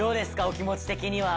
お気持ち的には。